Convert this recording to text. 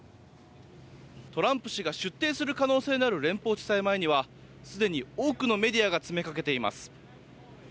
トランプ氏が出廷する可能性のある連邦地裁前にはすでに多くのメディアが詰めかけています。